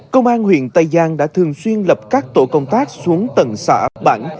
công an huyện tây giang đã thường xuyên lập các tổ công tác xuống tận xã bản